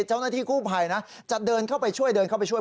เจ้าหน้าที่กู้ภัยนะจะเดินเข้าไปช่วยเดินเข้าไปช่วย